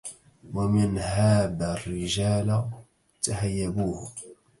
ومن هاب الرجال تهيبوه